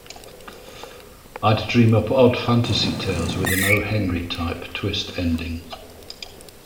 I'd dream up odd fantasy tales with an O. Henry type twist ending.